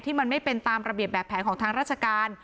มันไม่เป็นตามระเบียบแบบแผนของทางราชการ